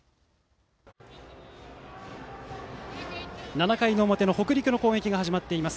７回の表の北陸の攻撃が始まっています。